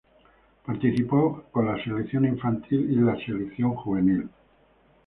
Participó con la Selección Infantil y la Selección Juvenil.